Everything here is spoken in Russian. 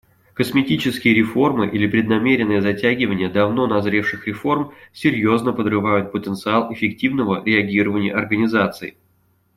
Косметические реформы или преднамеренное затягивание давно назревших реформ серьезно подрывают потенциал эффективного реагирования организаций.